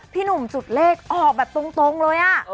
พี่หนุ่มจุดเลขออกแบบตรงเลย